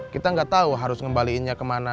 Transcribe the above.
kita gak tahu harus ngembalikannya kemana